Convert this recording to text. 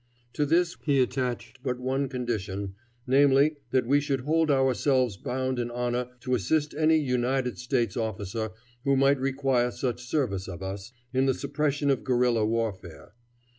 To this he attached but one condition, namely, that we should hold ourselves bound in honor to assist any United States officer who might require such service of us, in the suppression of guerrilla warfare.